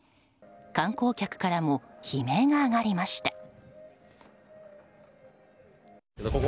観光客からも悲鳴が上がりました。